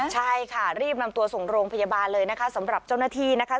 ใช่ค่ะรีบนำตัวส่งโรงพยาบาลเลยนะคะสำหรับเจ้าหน้าที่นะคะ